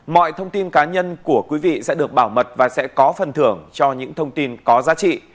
mọi thông tin cá nhân của quý vị sẽ được bảo mật và sẽ có phần thưởng cho những thông tin có giá trị